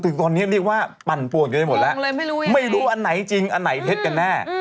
ถึงตอนนี้เรียกว่าปั่นป่วนกันไปหมดแล้วไม่รู้อันไหนจริงอันไหนเท็จกันแน่